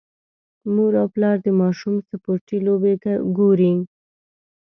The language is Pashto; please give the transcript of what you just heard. مور او پلار د ماشوم سپورتي لوبې ګوري.